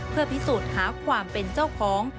เพื่อพิสูจน์หาความเป็นเจ้าของ